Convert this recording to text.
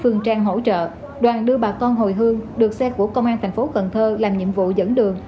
phương trang hỗ trợ đoàn đưa bà con hồi hương được xe của công an thành phố cần thơ làm nhiệm vụ dẫn đường